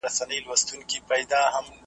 د غریب غاښ په حلوا کي خېژي